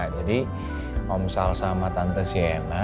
jadi om sal sama tante siana